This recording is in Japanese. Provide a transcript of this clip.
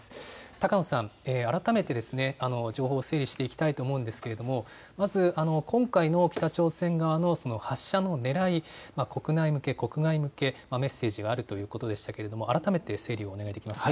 高野さん、改めて情報を整理していきたいと思うんですけれどもまず今回の北朝鮮側の発射のねらい、国内向け、国外向け、メッセージがあるということでしたが改めて整理をお願いできますか。